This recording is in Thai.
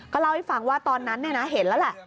ก็เล่าให้ฟังว่าตอนนั้นเนี้ยนะเห็นแล้วแหละ